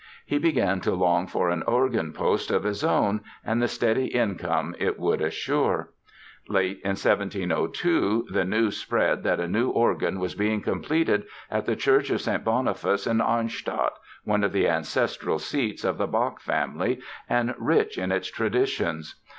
He began to long for an organ post of his own and the steady income it would assure. Late in 1702 the news spread that a new organ was being completed at the Church of St. Boniface in Arnstadt, one of the ancestral seats of the Bach family and rich in its traditions.